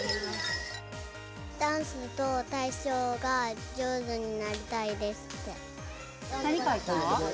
ダンスと体操が上手になりたいですって。